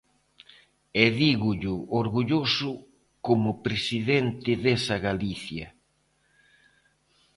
E dígollo orgulloso como presidente desa Galicia.